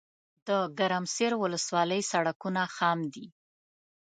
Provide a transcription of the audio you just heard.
دګرمسیر ولسوالۍ سړکونه خام دي